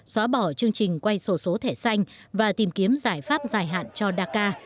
xóa bỏ chương trình quay sổ số thẻ xanh và tìm kiếm giải pháp dài hạn cho đa ca